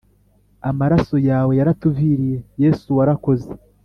Amaraso yawe yaratuviriye yesu warakoze